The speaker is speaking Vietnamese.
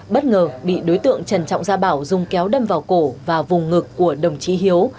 bất ngờ bị đối tượng trần trọng gia bảo dung kéo đâm vào cổ và vùng ngực của đồng chí hiếu